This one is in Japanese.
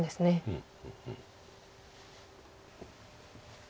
うん。